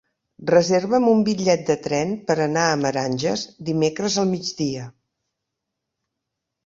Reserva'm un bitllet de tren per anar a Meranges dimecres al migdia.